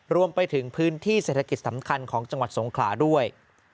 รวมไปถึงพื้นที่เศรษฐกิจสำคัญของจังหวัดสงขลาด้วย